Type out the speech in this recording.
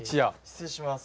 失礼します。